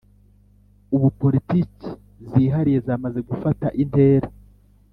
Ubu Politiki zihariye zimaze gufata intera